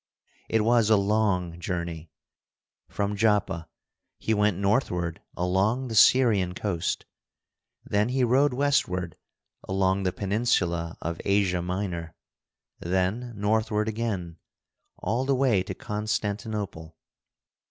It was a long journey. From Joppa he went northward along the Syrian coast. Then he rode westward along the peninsula of Asia Minor, then northward again, all the way to Constantinople.